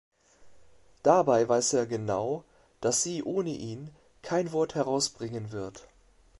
Dabei weiß er genau, dass sie ohne ihn kein Wort herausbringen wird.